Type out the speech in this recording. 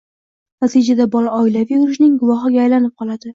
Natijada bola oilaviy urushning guvohiga aylanib qoladi.